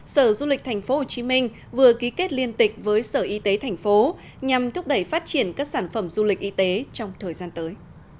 sở du lịch tp hcm vừa ký kết liên tịch với sở y tế thành phố nhằm thúc đẩy phát triển các sản phẩm du lịch y tế trong thời gian tới